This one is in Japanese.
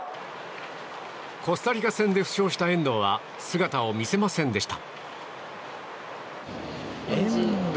コスタリカ戦で負傷した遠藤は姿を見せませんでした。